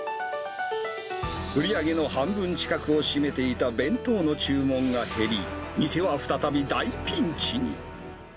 売り上げの半分近くを占めていた弁当の注文が減り、店は再び大ピンチに。